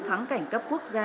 thắng cảnh cấp quốc gia